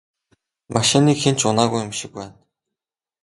Машиныг хэн ч унаагүй юм шиг байна.